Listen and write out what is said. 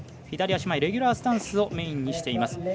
左足前、レギュラースタンスをメインにしています。